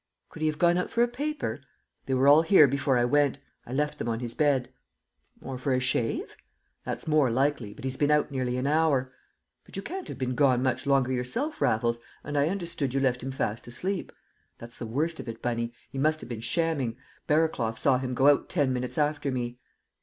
"Could he have gone out for a paper?" "They were all here before I went. I left them on his bed." "Or for a shave?" "That's more likely; but he's been out nearly an hour." "But you can't have been gone much longer yourself, Raffles, and I understood you left him fast asleep?" "That's the worst of it, Bunny. He must have been shamming. Barraclough saw him go out ten minutes after me."